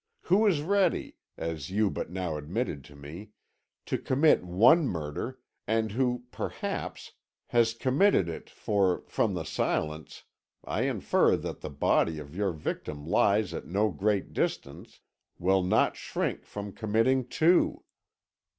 Who is ready as you but now admitted to me to commit one murder, and who, perhaps, has committed it, for, from the silence, I infer that the body of your victim lies at no great distance, will not shrink from committing two.